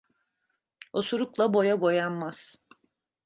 Osurukla boya boyanmaz.